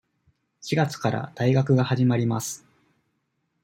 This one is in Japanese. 四月から大学が始まります。